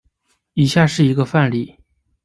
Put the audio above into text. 以下是一个范例。